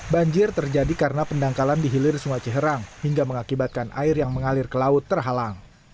banjir terjadi karena pendangkalan di hilir sungai ciherang hingga mengakibatkan air yang mengalir ke laut terhalang